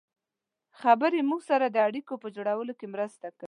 خبرې موږ سره د اړیکو په جوړولو کې مرسته کوي.